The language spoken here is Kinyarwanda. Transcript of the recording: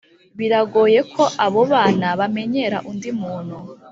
biragoye ko abo bana bamenyera undi muntu